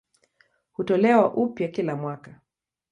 Hutolewa upya kila mwaka.